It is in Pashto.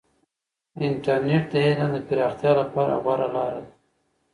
انټرنیټ د علم د پراختیا لپاره غوره لاره ده.